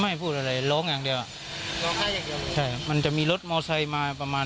ไม่พูดอะไรร้องอย่างเดียวอ่ะร้องไห้อย่างเดียวใช่ครับมันจะมีรถมอไซค์มาประมาณ